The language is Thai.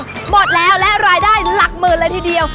หมดแล้วและรายได้หลักหมื่นเลยทีเดียว